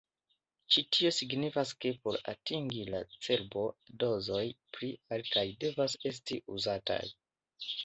Ĉi-tio signifas ke por atingi la cerbon, dozoj pli altaj devas esti uzataj.